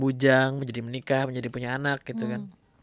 ujang menjadi menikah menjadi punya anak gitu kan